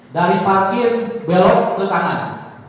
dari parkir belok ke kanan